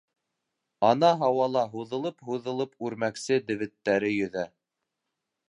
Ана һауала һуҙылып-һуҙылып үрмәксе дебеттәре йөҙә.